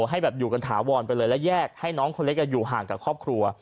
ให้แบบอยู่กันถาวรไปเลยและแยกให้น้องคนเล็กอยู่ห่างกับครอบครัว